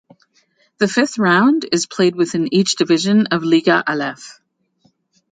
The fifth Round is played within each division of Liga Alef.